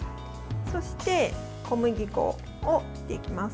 そして、小麦粉を振っていきます。